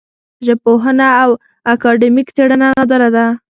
ژبپوهنه او اکاډمیک څېړنه نادره ده